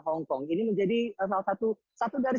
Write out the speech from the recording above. hongkong ini menjadi salah satu dari